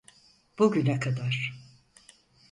Bugüne kadar.